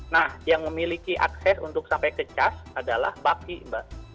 nah yang memiliki akses untuk sampai ke cas adalah baki mbak